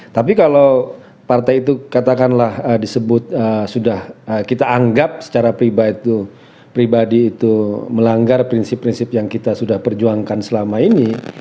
tapi kalau partai itu katakanlah disebut sudah kita anggap secara pribadi itu melanggar prinsip prinsip yang kita sudah perjuangkan selama ini